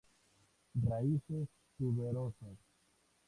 Raíces tuberosas.